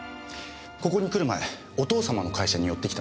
ここに来る前お父様の会社に寄ってきたんです。